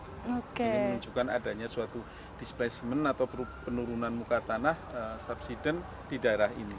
ini menunjukkan adanya suatu displacement atau penurunan muka tanah subsiden di daerah ini